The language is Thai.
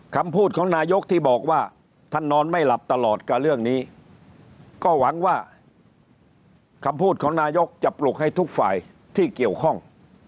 คำพูดของนายกที่บอกว่าท่านนอนไม่หลับตลอดกับเรื่องนี้ก็หวังว่าคำพูดของนายกจะปลุกให้ทุกฝ่ายที่เกี่ยวข้อง